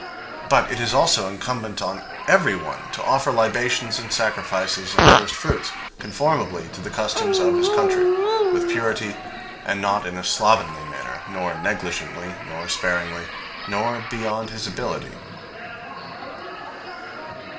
But it is also incumbent on everyone to offer libations and sacrifices and first fruits, conformably to the customs of his country, with purity, and not in a slovenly manner, nor negligently, nor sparingly, nor beyond his ability.